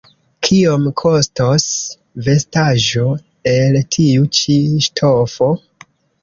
Kiom kostos vestaĵo el tiu ĉi ŝtofo?